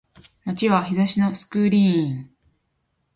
街は日差しのスクリーン